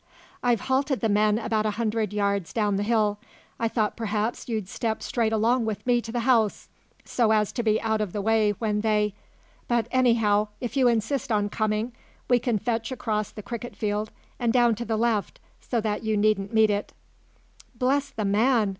"I've halted the men about a hundred yards down the hill. I thought perhaps you'd step straight along with me to the house, so as to be out of the way when they But, anyhow, if you insist on coming, we can fetch across the cricket field and down to the left, so that you needn't meet it." "Bless the man!"